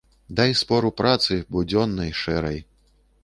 Дай спор у працы будзённай, шэрай.